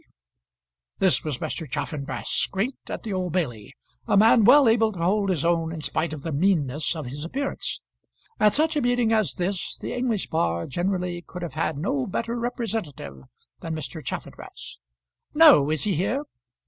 This was Mr. Chaffanbrass, great at the Old Bailey, a man well able to hold his own in spite of the meanness of his appearance. At such a meeting as this the English bar generally could have had no better representative than Mr. Chaffanbrass. "No; is he here?"